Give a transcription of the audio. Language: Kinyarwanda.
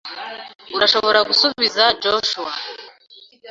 Urashobora gusubiza Joshua.